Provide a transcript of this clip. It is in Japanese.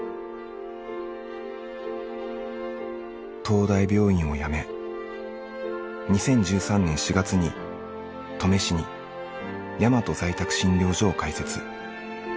東大病院を辞め２０１３年４月に登米市にやまと在宅診療所を開設。